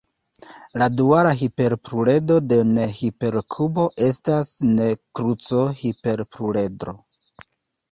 La duala hiperpluredro de "n"-hiperkubo estas "n"-kruco-hiperpluredro.